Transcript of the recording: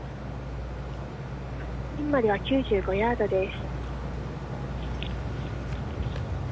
ピンまでは９５ヤードです。